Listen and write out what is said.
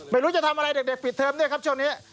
ไม่รู้จะทำอะไรเด็กปิดเทอมเนี่ยครับช่วงนี้